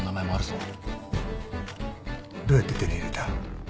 どうやって手に入れた？